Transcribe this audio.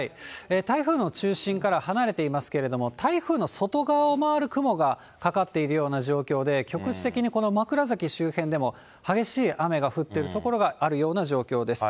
台風の中心からは離れていますけれども、台風の外側を回る雲がかかっているような状況で、局地的にこの枕崎周辺でも激しい雨が降っている所があるような状況です。